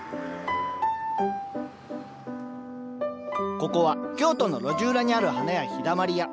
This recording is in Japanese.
ここは京都の路地裏にある花屋「陽だまり屋」。